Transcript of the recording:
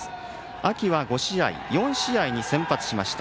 秋は４試合に先発しました。